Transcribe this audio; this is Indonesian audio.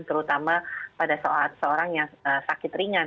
terutama pada seorang yang sakit ringan